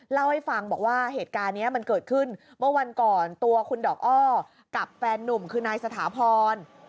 เล่าให้ฟังบอกว่าเหตุการณ์นี้มันเกิดขึ้นเมื่อวันก่อนตัวคุณดอกอ้อกับแฟนนุ่มคือนายสถาพร